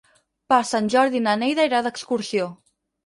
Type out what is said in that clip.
Per Sant Jordi na Neida irà d'excursió.